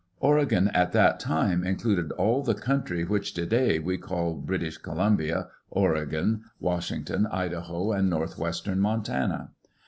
Oregon at that time included all the country which today we call British Columbia, Oregon, Washington, Idaho, and northwestern Montana.